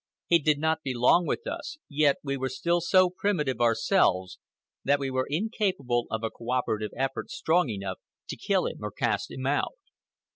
He did not belong with us, yet we were still so primitive ourselves that we were incapable of a cooperative effort strong enough to kill him or cast him out.